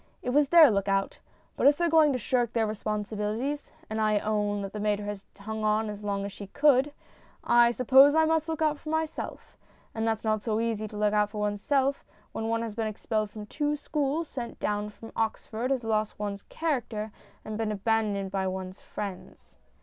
It was their look out. But if they're going to shirk their responsibilities and I own that the mater has hung on as long as she could I suppose I must look out for myself. And it's not so easy to look out for oneself when one has been expelled from two schools, sent down from Oxford, has lost one's character, and been abandoned by one's friends.